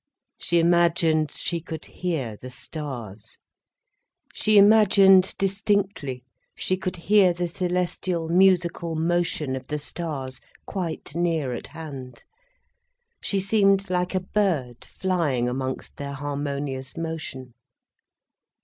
She imagined she could hear the stars. She imagined distinctly she could hear the celestial, musical motion of the stars, quite near at hand. She seemed like a bird flying amongst their harmonious motion.